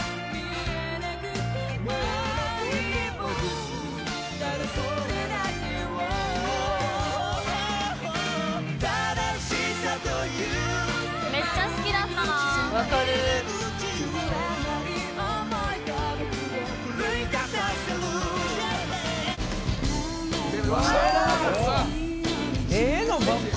「ええのばっかりや」